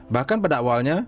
bahkan pada awalnya